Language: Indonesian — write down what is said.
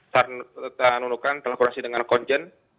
tarnunukan telah berkomunikasi dengan konjen